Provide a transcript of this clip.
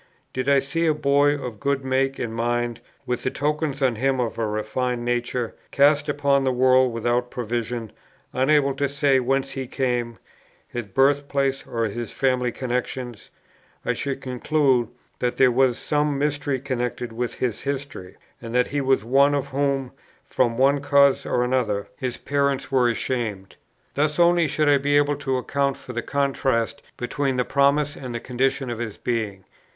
Did I see a boy of good make and mind, with the tokens on him of a refined nature, cast upon the world without provision, unable to say whence he came, his birth place or his family connexions, I should conclude that there was some mystery connected with his history, and that he was one, of whom, from one cause or other, his parents were ashamed. Thus only should I be able to account for the contrast between the promise and the condition of his being.